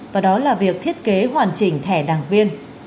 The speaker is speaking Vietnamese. và đó là việc thiết kế hoàn chỉnh thẻ đảng viên